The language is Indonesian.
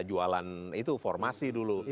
jualan itu formasi dulu